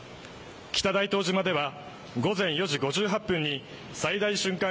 北大東島では午前４時５８分に最大瞬間